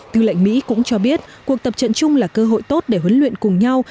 tư lệnh mỹ cũng cho biết cuộc tập trận chung là cơ hội tốt để huấn luyện cùng nhau